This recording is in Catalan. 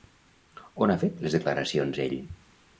On ha fet les declaracions ell?